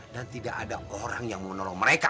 dan tidak ada orang yang mau nolong mereka